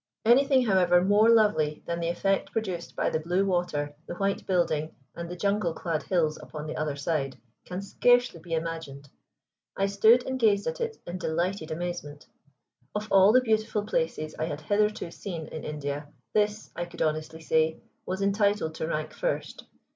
Anything, however, more lovely than the effect produced by the blue water, the white building, and the jungle clad hills upon the other side, can scarcely be imagined. I stood and gazed at it in delighted amazement. Of all the beautiful places I had hitherto seen in India this, I could honestly say, was entitled to rank first.